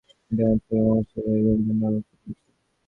Internet থেকে মৌমাছির এই গুঞ্জন ডাউনলোড করা হয়েছে।